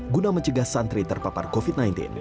guna mencegah santri terpapar covid sembilan belas